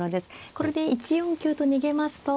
これで１四香と逃げますと。